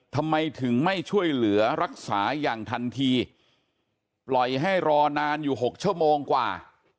ทำไมถึงไม่ช่วยเหลือรักษาอย่างทันทีปล่อยให้รอนานอยู่๖ชั่วโมงกว่า